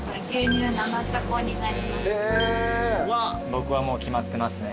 僕はもう決まってますね。